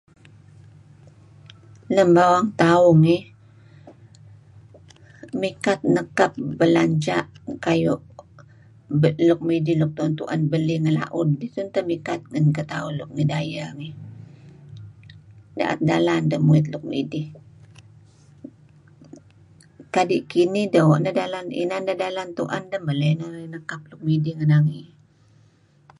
Lem bawang tauh ngih mikat nekap belanja' kayu' luk midih luk tu'en-tu'en belih ngi la'ud ih tun teh luk mikat ngen ketauh luk ngi dayeh ngih, da'et dalan deh muit luk midih. Kadi' kinih inan neh dalan inan neh dalan tu'en deh meley neh narih nekap nuk midih ngi nangey.